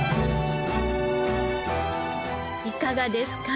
いかがですか？